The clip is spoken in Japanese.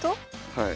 はい。